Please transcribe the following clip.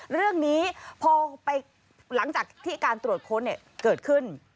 เรื่องนี้พอไปหลังจากที่การตรวจค้นเกิดขึ้น